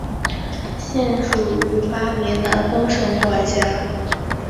现属于巴林南方省管辖。